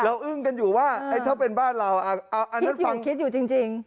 เราอึ้งกันอยู่ว่าไอ้ถ้าเป็นบ้านเราอ่าอันนั้นฟังคิดอยู่คิดอยู่จริงจริง